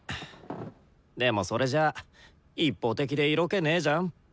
でもそれじゃあ一方的で色気ねじゃん？